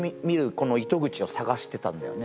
この糸口を探してたんだよね